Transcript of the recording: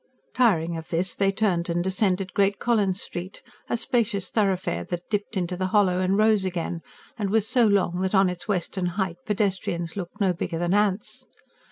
Tiring of this they turned and descended Great Collins Street a spacious thoroughfare that dipped into the hollow and rose again, and was so long that on its western height pedestrians looked no bigger than ants.